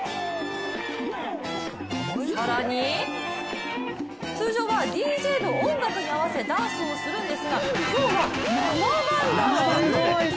更に、通常はＤＪの音楽に合わせダンスをするんですが、今日は生バンド。